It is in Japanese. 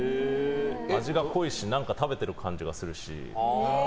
味が濃いし食べてる感じがするし。